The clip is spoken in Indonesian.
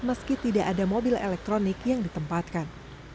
meski tidak ada mobil elektronik yang ditempatkan